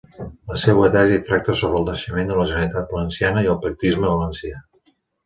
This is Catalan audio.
La seua tesi tracta sobre el naixement de la Generalitat Valenciana i el pactisme valencià.